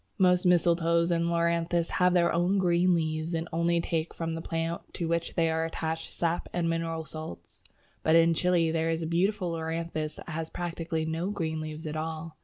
Most Mistletoes and Loranthus have their own green leaves, and only take from the plant to which they are attached sap and mineral salts. But in Chile there is a beautiful Loranthus that has practically no green leaves at all.